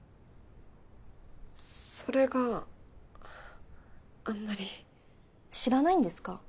それがあんまり知らないんですか？